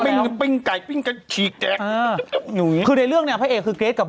มันเป็นเค้าเรียกอะไร